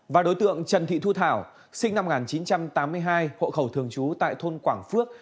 và đối tượng trần thị thu thảo sinh năm một nghìn chín trăm tám mươi hai hộ khẩu thường trú tại thôn quảng phước